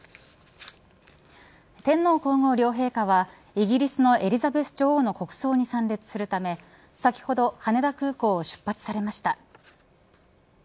天皇皇后両陛下はイギリスのエリザベス女王の国葬に参列するため先ほど羽田空港を出発されました。